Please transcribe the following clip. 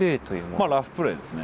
まあラフプレーですね